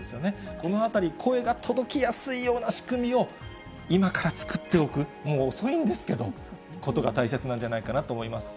このあたり、声が届きやすいような仕組みを今から作っておく、もう遅いんですけど、ことが大切なんじゃないかなと思います。